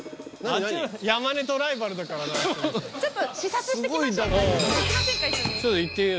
山根とライバルだからなちょっと視察してきましょうか行きませんか？